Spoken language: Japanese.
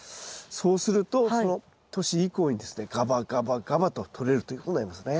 そうするとその年以降にですねガバガバガバととれるということになりますね。